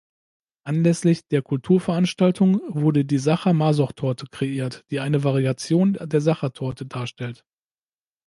Anlässlich der Kulturveranstaltung wurde die "Sacher-Masoch-Torte" kreiert, die eine Variation der "Sachertorte" darstellt.